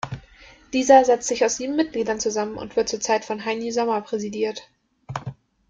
Dieser setzt sich aus sieben Mitgliedern zusammen und wird zurzeit von Heini Sommer präsidiert.